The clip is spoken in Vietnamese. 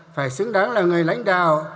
phải xứng đáng là người lãnh đạo